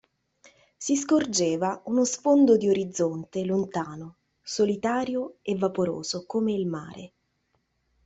Si scorgeva uno sfondo di orizzonte lontano, solitario e vaporoso come il mare.